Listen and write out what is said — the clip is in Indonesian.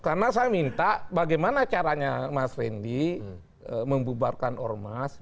karena saya minta bagaimana caranya mas reddy membubarkan ormas